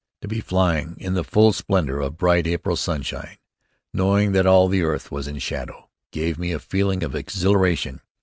To be flying in the full splendor of bright April sunshine, knowing that all the earth was in shadow, gave me a feeling of exhilaration.